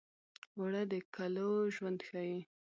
اوړه د کلو ژوند ښيي